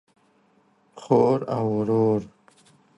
خور او ورور